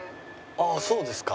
ああそうですか。